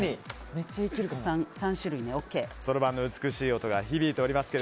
そろばんの美しい音が響いておりますが。